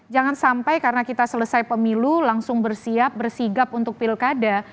jangan sampai karena kita selesai pemilu langsung bersiap bersigap untuk pilkada